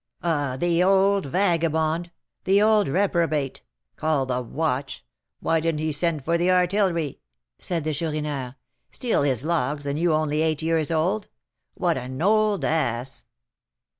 "Ah, the old vagabond! The old reprobate! Call the watch! Why didn't he send for the artillery?" said the Chourineur. "Steal his logs, and you only eight years old! What an old ass!"